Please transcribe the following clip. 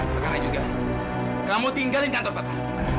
sekarang juga kamu tinggalin kantor patah